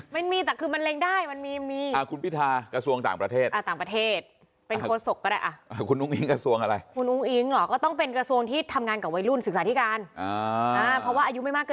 เดี๋ยวจะคิดกระทรวงไม่ออก